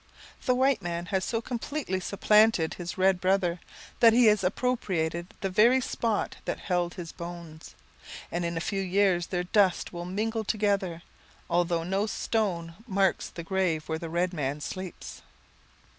The white man has so completely supplanted his red brother, that he has appropriated the very spot that held his bones; and in a few years their dust will mingle together, although no stone marks the grave where the red man sleeps.